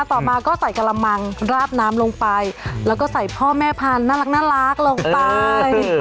ต่อมาก็ใส่กระมังราบน้ำลงไปแล้วก็ใส่พ่อแม่พันธุ์น่ารักลงไป